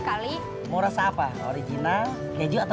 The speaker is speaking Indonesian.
dan enggak noda seperti biasa sesuatu